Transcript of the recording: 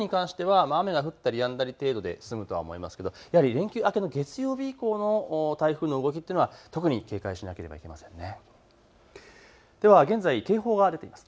また、連休まではこの３日間に関しては雨が降ったりやんだり程度で済むと思いますが連休明けの月曜日以降の台風の動きというのは特に警戒しなければいけませんね。